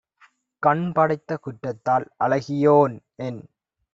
கண்படைத்த குற்றத்தால் அழகியோன்என்